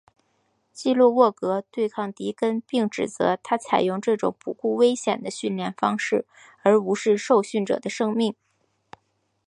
基洛沃格对抗迪根并指责他采用这种不顾危险的训练方式而无视受训者的生命。